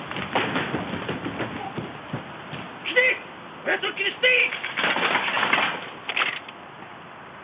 こやつを斬り捨てい！